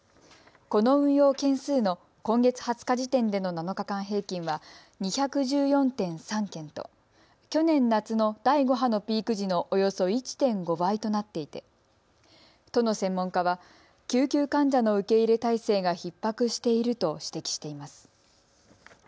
この運用件数の今月２０日時点での７日間平均は２１４．３件と去年夏の第５波のピーク時のおよそ１．５倍となっていて都の専門家は救急患者の受け入れ体制がひっ迫していると指摘しています。